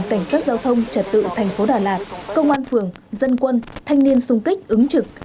cảnh sát giao thông trật tự tp đà lạt công an phường dân quân thanh niên xung kích ứng trực